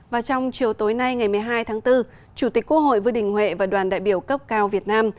và trong chiều tối nay ngày một mươi hai tháng bốn chủ tịch quốc hội vương đình huệ và đoàn đại biểu cấp cao việt nam